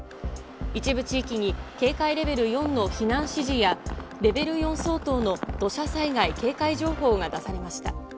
一部地域に、警戒レベル４の避難指示や、レベル４相当の土砂災害警戒情報が出されました。